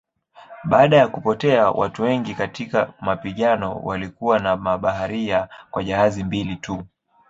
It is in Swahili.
Baada ya kupotea watu wengi katika mapigano walikuwa na mabaharia kwa jahazi mbili tu.